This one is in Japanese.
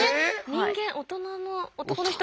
人間大人の男の人ぐらい？